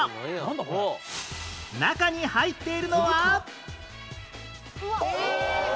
中に入っているのは